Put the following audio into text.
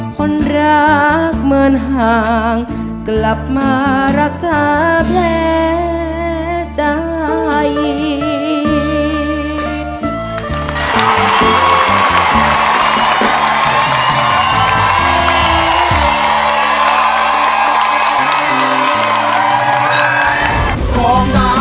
คนรักเหมือนห่างกลับมารักษาแผลใจ